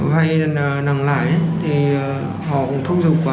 hay là nặng lại thì họ cũng thúc giục quá